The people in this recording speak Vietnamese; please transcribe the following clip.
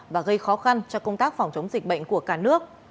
và gây khó khăn cho công tác phòng chống dịch bệnh của cả nước